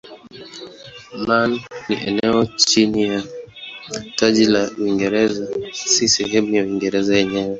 Man ni eneo chini ya taji la Uingereza si sehemu ya Uingereza yenyewe.